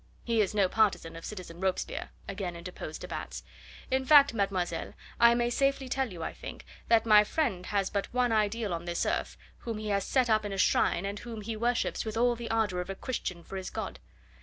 "He is no partisan of citizen Robespierre," again interposed de Batz; "in fact, mademoiselle, I may safely tell you, I think, that my friend has but one ideal on this earth, whom he has set up in a shrine, and whom he worships with all the ardour of a Christian for his God."